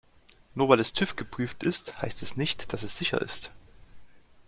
Nur weil es TÜV-geprüft ist, heißt es nicht, dass es sicher ist.